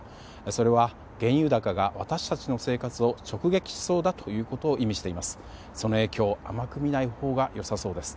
それは原油高が私たちの生活を直撃しそうだということを意味しています。